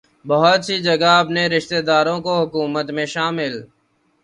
بہت سی جگہ اپنے رشتہ داروں کو حکومت میں شامل